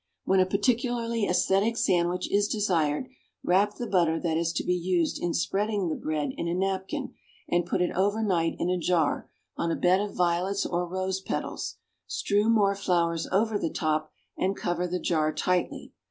When a particularly æsthetic sandwich is desired, wrap the butter that is to be used in spreading the bread in a napkin, and put it over night in a jar, on a bed of violets or rose petals; strew more flowers over the top and cover the jar tightly.